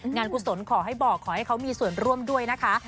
กุศลขอให้บอกขอให้เขามีส่วนร่วมด้วยนะคะ